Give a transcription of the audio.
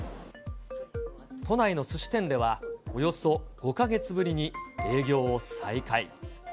都内のすし店では、およそ５か月ぶりに営業を再開。